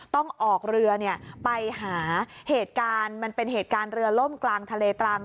ต้องออกเรือไปหาเหตุการณ์มันเป็นเหตุการณ์เรือล่มกลางทะเลตรัง